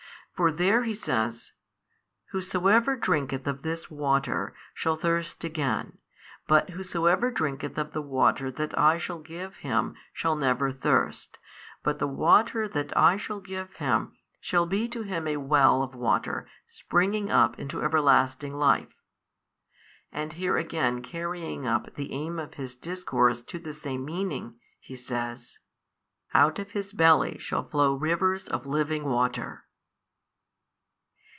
For there He says, Whosoever drinketh of this water shall thirst again, but whosoever drinketh of the water that I shall give him shall never thirst, but the water that I shall give him shall be to him a well of water springing up into everlasting life: and here again carrying up the aim of His discourse to the same meaning, He says, Out of his belly shall flow rivers of living water.